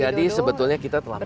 jadi sebetulnya kita terlambat